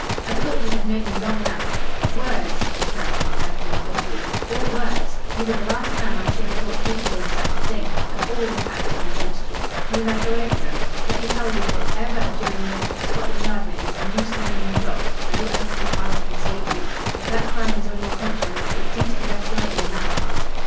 "I thought you had known me long enough " "Words," interrupted Fairfield bitterly. "All words. You were the last man I should have thought capable of such a thing; but all the facts are against you. Need I go over them? Let me tell you that if ever a jury knows what Scotland Yard knows and you stand in the dock, no earthly power can save you. If that crime is on your conscience it seems to rest lightly enough."